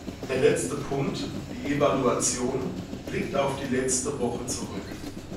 Der letzte Punkt, die Evaluation, blickt auf die letzte Woche zurück.